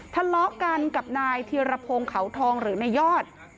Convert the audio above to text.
ทะเลาะกันกับนายเทียรพงศ์เขาทองหรือนายยอด